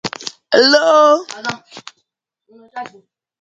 The Taunton Nursing Home is located on Norton Avenue in the village of Oakland.